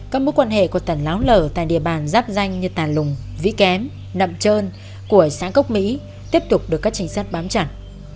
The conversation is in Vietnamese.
các mối quan hệ của tàn láo lở tại địa bàn giáp danh như tà lùng vĩ kém nậm trơn của xã cốc mỹ tiếp tục được các trinh sát bám chặt